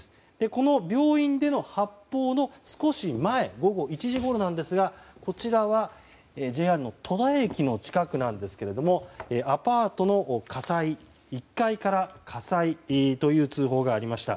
この病院での発砲の少し前午後１時ごろなんですがこちらはＪＲの戸田駅の近くですけれどもアパートの１階から火災という通報がありました。